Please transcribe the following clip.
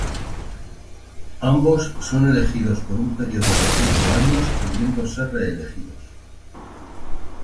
Ambos son elegidos por un periodo de cinco años, pudiendo ser reelegidos.